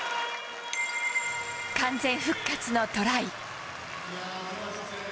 完全復活のトライ。